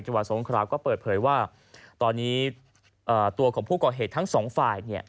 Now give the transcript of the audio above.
จังหวัดสงคราก็เปิดเผยว่าตอนนี้ตัวของผู้ก่อเหตุทั้งสองฝ่ายเนี่ย